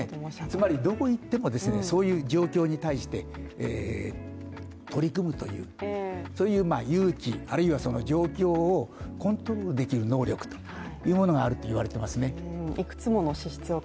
つまりどこに行っても、そういう状況に対して取り組むという、そういう勇気、あるいは状況をコントロールできる能力があるというふうにいわれていますね。